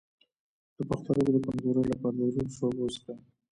د پښتورګو د کمزوری لپاره د وربشو اوبه وڅښئ